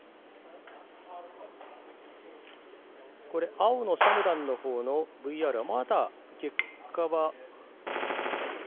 青のシャムダンのほうのＶＲはまだ。